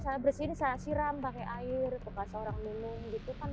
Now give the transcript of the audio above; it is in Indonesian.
saya bersihin saya siram pakai air bekas orang minum gitu kan